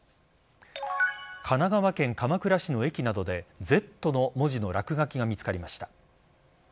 神奈川県鎌倉市の駅などでＺの文字の落書きが見つかりました。